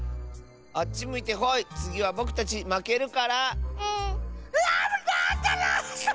あっちむいてホイつぎはぼくたちまけるから。